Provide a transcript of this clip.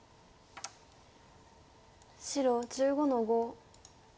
白１５の五。